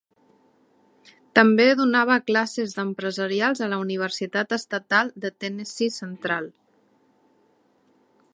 També donava classes d'Empresarials a la Universitat Estatal de Tennessee Central.